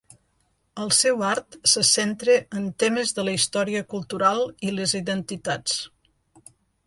El seu art se centra en temes de la història cultural i les identitats.